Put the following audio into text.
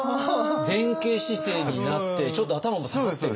前傾姿勢になってちょっと頭も下がってる。